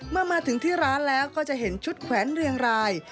เมื่อมาถึงที่ร้านแล้วก็จะเห็นชุดแขวนเรียงราย